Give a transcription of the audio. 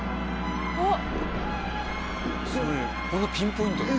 こんなピンポイント。